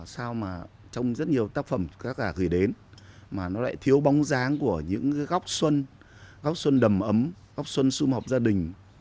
sao mà trong rất nhiều tác phẩm tác giả gửi đến mà nó lại thiếu bóng dáng của những góc xuân góc xuân đầm ấm góc xuân xung họp gia đình